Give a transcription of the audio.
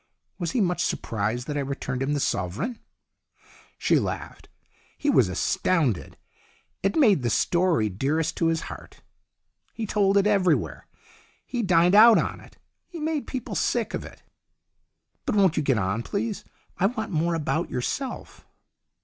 Was he much surprised that I returned him the sovereign ?" She laughed. "He was astounded. It made the story dearest to his heart. He told it every where. He dined out on it. He made people sick of it." " But won't you get on, please ? I want more about yourself."